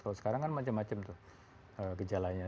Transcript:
kalau sekarang kan macam macam tuh gejalanya